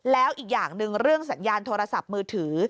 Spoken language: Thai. แล้วอีกอย่างหนึ่งเรื่องสัญญาณโทรศัพท์มือถือ